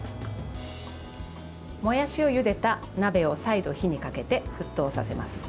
もやしをゆでた鍋を再度火にかけて、沸騰させます。